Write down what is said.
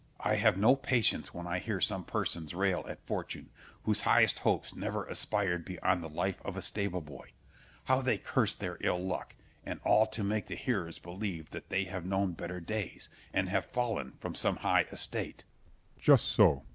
I have no patience when I hear some persons rail at fortune, whose highest hopes never aspired beyond the life of a stable boy. How they curse their ill luck, and all to make the hearers believe that they have known better days, and have fallen from some high estate. Berg. Just so.